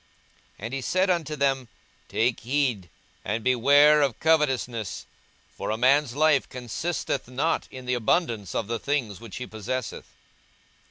42:012:015 And he said unto them, Take heed, and beware of covetousness: for a man's life consisteth not in the abundance of the things which he possesseth.